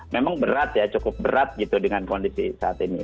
memang berat ya cukup berat gitu dengan kondisi saat ini